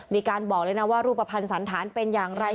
มีการบอกเลยนะว่ารูปภัณฑ์สันธารเป็นอย่างไร